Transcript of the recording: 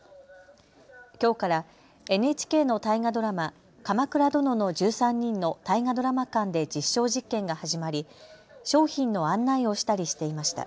きょうからＮＨＫの大河ドラマ鎌倉殿の１３人の大河ドラマ館で実証実験が始まり商品の案内をしたりしていました。